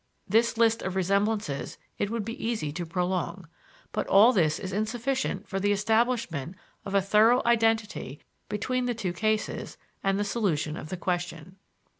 This list of resemblances it would be easy to prolong. But all this is insufficient for the establishment of a thorough identity between the two cases and the solution of the question.